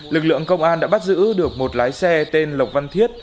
lực lượng công an đã bắt giữ được một lái xe tên lộc văn thiết